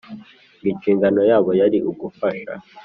Ng inshingano yabo yari ugufasha